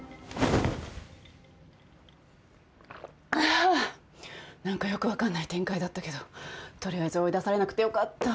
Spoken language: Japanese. あ何かよく分かんない展開だったけど取りあえず追い出されなくてよかった。